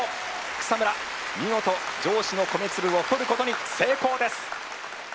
草村見事上司の米つぶを取ることに成功です。